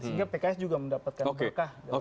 sehingga pks juga mendapatkan berkah